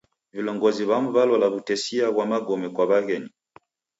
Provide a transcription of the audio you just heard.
Vilongozi w'amu w'alola w'utesia ghwa magome kwa w'aghenyu.